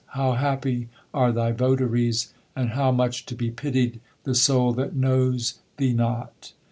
how happy are thy votaries, and how much to be pitied, the soul that knows thee not